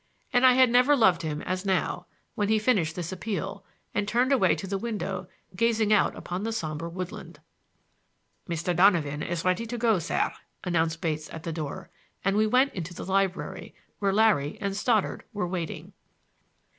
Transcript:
And I had never loved him as now, when he finished this appeal, and turned away to the window, gazing out upon the somber woodland. "Mr. Donovan is ready to go, sir," announced Bates at the door, and we went into the library, where Larry and Stoddard were waiting.